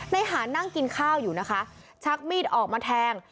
หานั่งกินข้าวอยู่นะคะชักมีดออกมาแทง